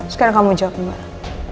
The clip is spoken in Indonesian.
sekarang kamu jawab dulu